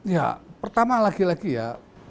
ya pertama lagi lagi ya